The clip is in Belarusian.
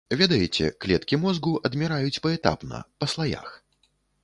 Ведаеце, клеткі мозгу адміраюць паэтапна, па слаях.